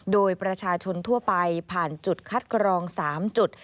โดยประชาชนทั่วไปผ่านจุดคัดกรอง๓จุด